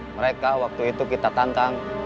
mereka waktu itu kita tantang